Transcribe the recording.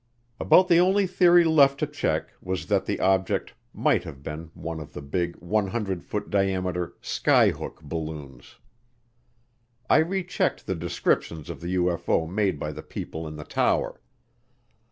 About the only theory left to check was that the object might have been one of the big, 100 foot diameter, "skyhook" balloons. I rechecked the descriptions of the UFO made by the people in the tower.